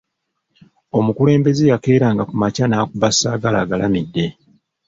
Omukulembeze yakeeranga ku makya n'akuba Saagalaagalamidde.